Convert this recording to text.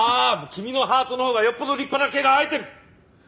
君のハートのほうがよっぽど立派な毛が生えてる！